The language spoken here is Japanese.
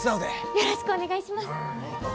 よろしくお願いします。